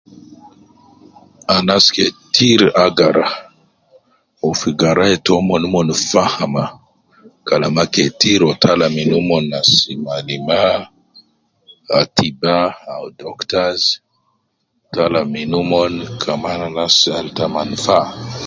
Anas ketir agara, wu fi garaya tomon mon fahma kalama ketir wu tala min omon nas malima, khatiba au doctors tala min omon kaman anas al ta manfa